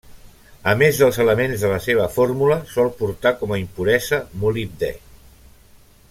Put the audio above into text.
A més dels elements de la seva fórmula, sol portar com a impuresa molibdè.